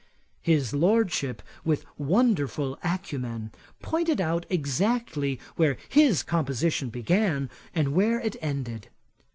His Lordship, with wonderful acumen, pointed out exactly where his composition began, and where it ended.